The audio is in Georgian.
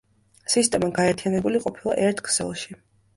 სისტემა გაერთიანებული ყოფილა ერთ ქსელში.